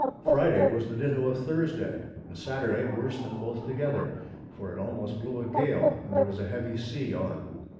Friday was the ditto of Thursday and Saturday, worse than both together, for it almost blew a gale and there was a heavy sea on.